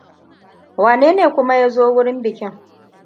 Wane ne kuma ya zo wurin bikin?